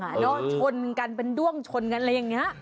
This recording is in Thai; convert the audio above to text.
แล้วชนกันเป็นด้วงชนกันอะไรอย่างนี้